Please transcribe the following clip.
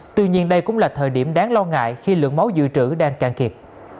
tuy nhiên đây cũng là thời điểm đáng lo ngại khi lượng máu dự trữ đang càng kịp